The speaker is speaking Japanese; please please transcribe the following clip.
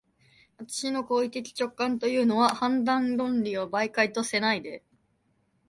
私の行為的直観というのは、判断論理を媒介とせないで、